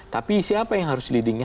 tapi siapa yang harus leadingnya